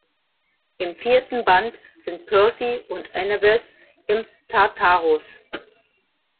Im vierten Band sind Percy und Annabeth im Tartarus.